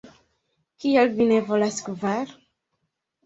Kial vi ne volas kvar?"